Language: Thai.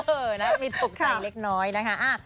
เออนะมีตกใจเล็กน้อยนะคะ